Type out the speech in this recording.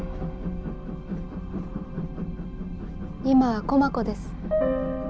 今は駒子です。